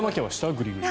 グリグリ。